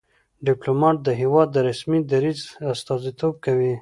ډيپلومات د هېواد د رسمي دریځ استازیتوب کوي.